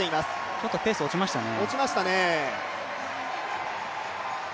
ちょっとペースが落ちましたね。